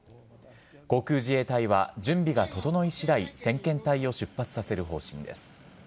航空自衛隊は準備が整い次第先遣隊を出発させる方針です。